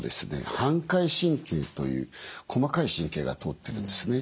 反回神経という細かい神経が通ってるんですね。